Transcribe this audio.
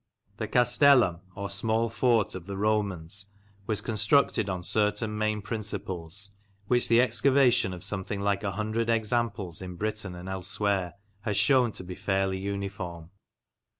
The castellum, or small fort, of the Romans was constructed on certain main principles, which the excavation of something like a hundred examples in Britain and elsewhere has shewn to be fairly uniform.